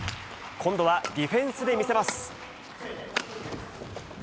今度はディフェンスで見せます。